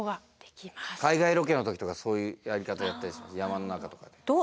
海外ロケの時とかそういうやり方やったりします。